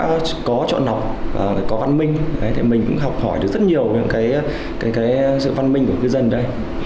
với đây là hầu hết là cư dân đã có chọn học có văn minh thì mình cũng học hỏi được rất nhiều về sự văn minh của cư dân đây